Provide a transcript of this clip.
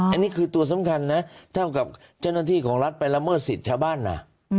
อันนี้คือตัวสำคัญนะเท่ากับเจ้าหน้าที่ของรัฐไปละเมิดสิทธิ์ชาวบ้านนะ